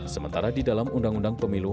sementara di dalam undang undang pemilu